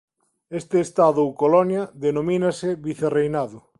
Este estado ou colonia denomínase vicerreinado.